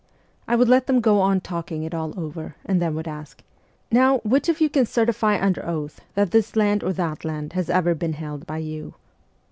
I would let them go on talking it all over, and then would ask :" Now, which of you can certify under oath that this land or that land has ever been held by you